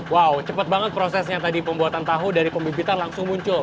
wow cepet banget prosesnya tadi pembuatan tahu dari pembibitan langsung muncul